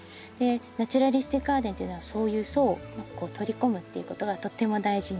ナチュラリスティックガーデンっていうのはそういう層を取り込むっていうことがとっても大事になってきます。